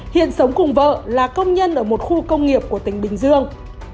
hiện sống cùng vợ là công nhân ở một khu công nghiệp của tỉnh bình dương